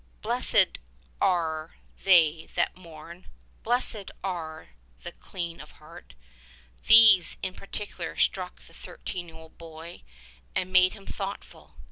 Blessed are they that mourn: Blessed are the clean of heart — ^these in particular struck the thirteen year old boy and made him thoughtful.